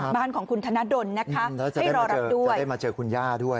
บ้านของคุณธนดลนะครับแล้วจะได้มาเจอคุณย่าด้วย